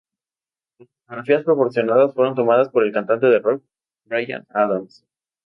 Las fotografías promocionales fueron tomadas por el cantante de rock Bryan Adams.